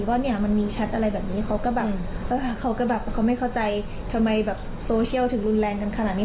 ว่าเนี่ยมันมีแชทอะไรแบบนี้เขาก็แบบเขาก็แบบเขาไม่เข้าใจทำไมแบบโซเชียลถึงรุนแรงกันขนาดนี้